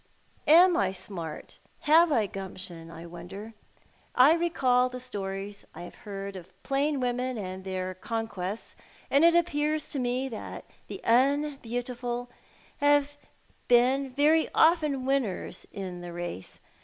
Am I smart, have I gumjitiou, I wonder ? I recall the stories I have heard of plain women aud their conquests; and it appears to me that the unbeautiful have been very often winners in the race.